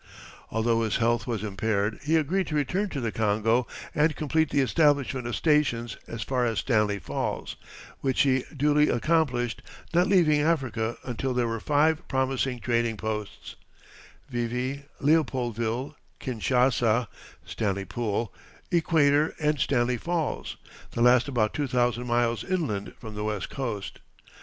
Although his health was impaired, he agreed to return to the Congo and complete the establishment of stations as far as Stanley Falls, which he duly accomplished, not leaving Africa until there were five promising trading posts Vivi, Leopoldville, Kinshassa (Stanley Pool), Equator, and Stanley Falls, the last about two thousand miles inland from the west coast.